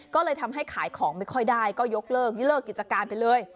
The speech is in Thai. ก็เลยทำให้ขายของไม่ค่อยได้ก็ยกเลิกกิจการไปเลย